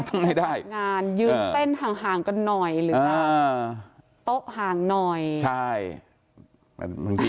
ต้องได้สิใช่มั้ย